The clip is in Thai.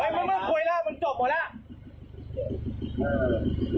มึงคุยแล้วมึงจบหมดแล้ว